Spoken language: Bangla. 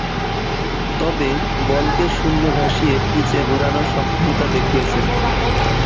তবে, বলকে শূন্যে ভাসিয়ে পিচে ঘোরানোয় সক্ষমতা দেখিয়েছেন।